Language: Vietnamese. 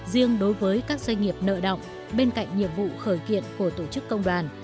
riêng đối với các doanh nghiệp nợ động bên cạnh nhiệm vụ khởi kiện của tổ chức công đoàn